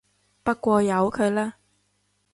不過由佢啦